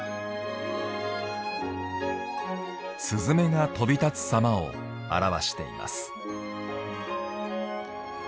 すずめが飛び立つさまを表しています。